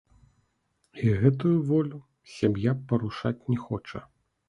І гэтую волю сям'я парушаць не хоча.